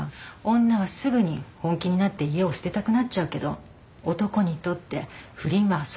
女はすぐに本気になって家を捨てたくなっちゃうけど男にとって不倫は遊び。